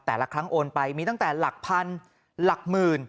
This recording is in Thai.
แต่ละครั้งโอนไปมีตั้งแต่หลักพันหลักหมื่น